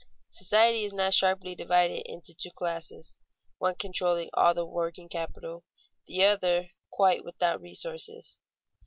Society is not sharply divided into two classes, one controlling all the working capital, the other quite without resources.